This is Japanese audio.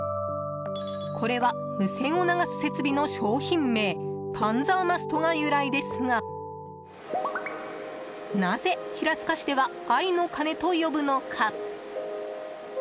これは無線を流す設備の商品名パンザーマストが由来ですがなぜ、平塚市では「愛の鐘」と呼ぶのか。